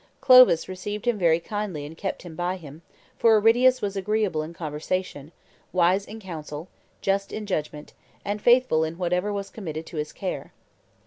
Clovis received him very kindly and kept him by him, for Aridius was agreeable in conversation, wise in counsel, just in judgment, and faithful in whatever was committed to his care.